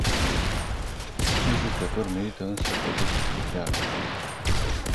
Acești lucrători merită însă o protecție specială.